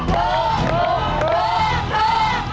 ตอบตอบตอบ